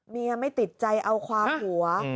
ไม่ติดใจเอาความผัว